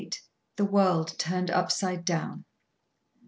THE WORLD TURNED UPSIDE DOWN.